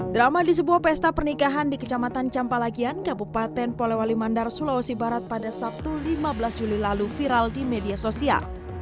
drama di sebuah pesta pernikahan di kecamatan campalagian kabupaten polewali mandar sulawesi barat pada sabtu lima belas juli lalu viral di media sosial